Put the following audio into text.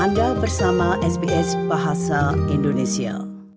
anda bersama sbs bahasa indonesia